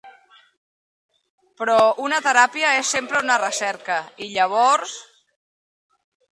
Però una teràpia és sempre una recerca i llavors...